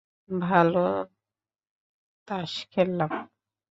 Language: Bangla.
ভালো তাস খেলতাম।